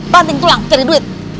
banting tulang cari duit